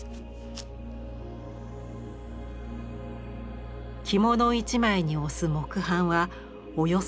着物一枚に押す木版はおよそ３，０００回。